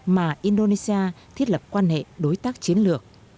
mà indonesia thiết lập quan hệ đối tác chiến lược